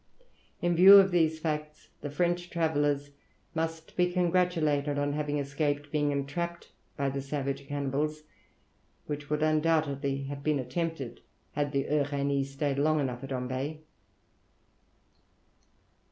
In view of these facts the French travellers must be congratulated on having escaped being entrapped by the savage cannibals, which would undoubtedly have been attempted had the Uranie stayed long enough at Ombay.